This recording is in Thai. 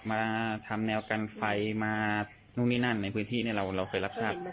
มาทำแนวกันไฟมานู่นนี่นั่นในพื้นที่เนี่ยเราเคยรับทราบ